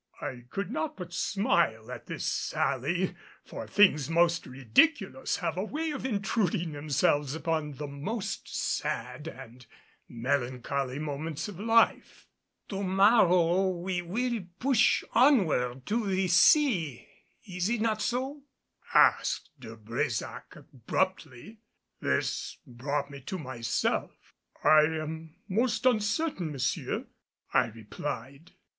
I could not but smile at this sally, for things most ridiculous have a way of intruding themselves upon the most sad and melancholy moments of life. "To morrow we will push onward to the sea, is it not so?" asked De Brésac abruptly. This brought me to myself. "I am most uncertain, monsieur," I replied.